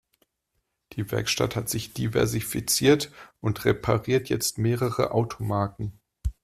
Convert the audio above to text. Die Werkstatt hat sich diversifiziert und repariert jetzt mehrere Automarken.